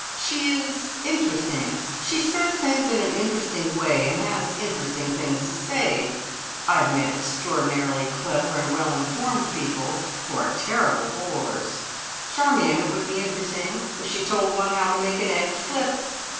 She is interesting! She says things in an interesting way, and has interesting things to say. I have met extraordinarily clever and well informed people who are terrible bores. Charmion would be interesting if she told one how to make an egg flip!